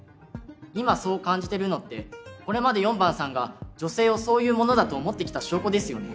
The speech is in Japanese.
今そう感じてるのってこれまで４番さんが女性をそういうものだと思ってきた証拠ですよね？